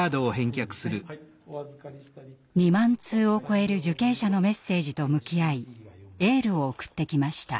２万通を超える受刑者のメッセージと向き合いエールを送ってきました。